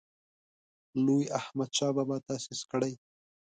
لوی احمدشاه بابا تاسیس کړی.